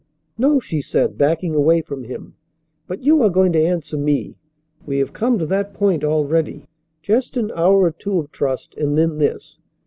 "No," she said, backing away from him. "But you are going to answer me. We have come to that point already. Just an hour or two of trust, and then this!